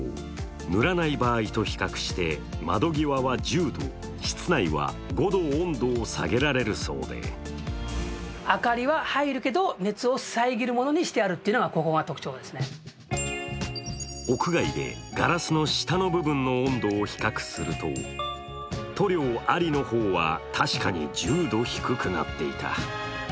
塗らない場合と比較して窓際は１０度、室内は５度温度を下げられるそうで屋外でガラスの下の部分の温度を比較すると塗料ありの方は確かに１０度低くなっていた。